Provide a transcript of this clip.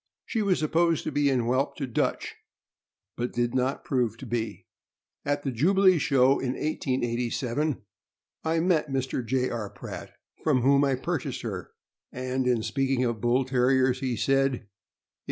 She was supposed to be in whelp to Dutch, but did not prove to be. At the Jubilee Show, in 1887, I met Mr. J. R. Pratt, from whom I pur chased her; and in speaking of Bull Terriers, he said: "If Owned by F. F.